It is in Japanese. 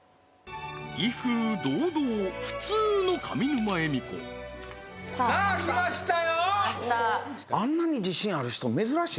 威風堂々普通の上沼恵美子さあ来ましたよ来ました